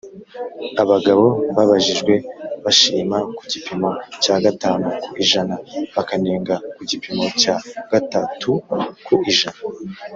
Abagabo babajijwe bashima ku gipimo cya gatanu ku ijana bakanenga ku gipimo cya gatatu ku ijana